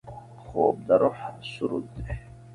خوب د روح سرود دی